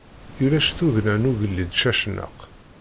Ulac tugna n ugellid Cacnaq.